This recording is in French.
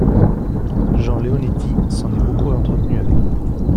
Jean Leonetti s’en est beaucoup entretenu avec nous.